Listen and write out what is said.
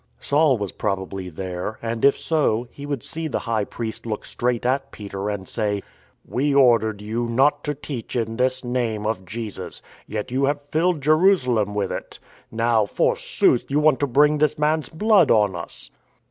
Saul was probably there, and, if so, he would see the High Priest look straight at Peter, and say: " We ordered you not to teach in this Name (of Jesus). Yet you have filled Jerusalem with it. Now, forsooth, you want to bring this man's blood on us."